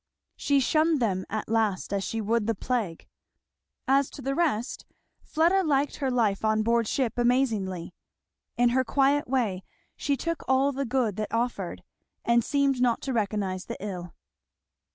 She shunned them at last as she would the plague. As to the rest Fleda liked her life on board ship amazingly. In her quiet way she took all the good that offered and seemed not to recognise the ill.